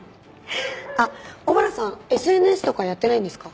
あっ小原さんＳＮＳとかやってないんですか？